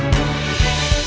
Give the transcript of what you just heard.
ya kita berhasil